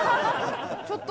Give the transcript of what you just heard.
ちょっと。